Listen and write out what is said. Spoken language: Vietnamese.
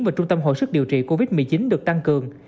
và trung tâm hồi sức điều trị covid một mươi chín được tăng cường